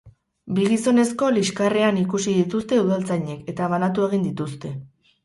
Bi gizonezko liskarrean ikusi dituzte udaltzainek eta banatu egin dituzte.